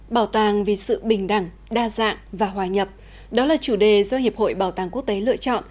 bảo tàng vì sự bình đẳng đa dạng và hòa nhập đó là chủ đề do hiệp hội bảo tàng quốc tế lựa chọn